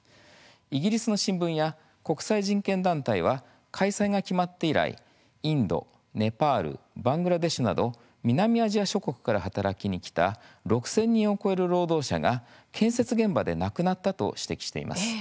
イギリスの新聞や国際人権団体は開催が決まって以来インド、ネパールバングラデシュなど南アジア諸国から働きにきた６０００人を超える労働者が建設現場で亡くなったと指摘しています。